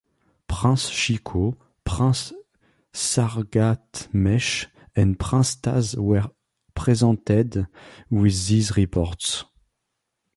Prince Shikho, Prince Sarghatmesh, and Prince Taz were presented with these reports.